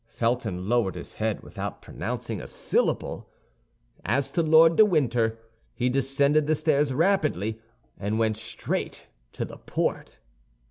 Felton lowered his head without pronouncing a syllable. As to Lord de Winter, he descended the stairs rapidly, and went straight to the port.